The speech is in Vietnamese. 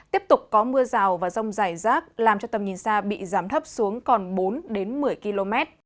tiếp tục có mưa rào và rông dài rác làm cho tầm nhìn xa bị giảm thấp xuống còn bốn đến một mươi km